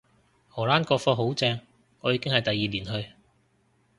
荷蘭個課好正，我已經係第二年去